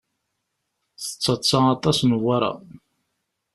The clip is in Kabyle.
Tettaḍṣa aṭas Newwara.